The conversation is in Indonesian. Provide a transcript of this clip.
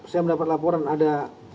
saya mendapat laporan ada